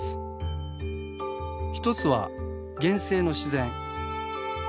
一つは原生の自然。